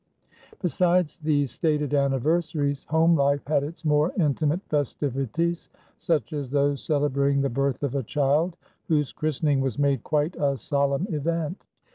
Besides these stated anniversaries, home life had its more intimate festivities such as those celebrating the birth of a child, whose christening was made quite a solemn event.